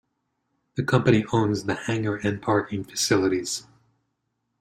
The company owns the hangar and parking facilities.